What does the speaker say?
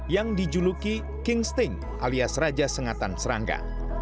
yang dijuluki king steng alias raja sengatan serangga